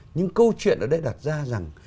nhưng câu chuyện ở đây đặt ra rằng